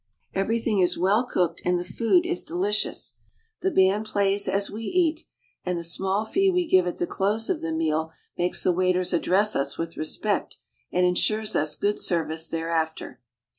Everything is well cooked and the food is deli cious. The band plays as we eat, and the small fee we give at the close of the meal makes the waiters address us with respect, and insures us good service thereafter.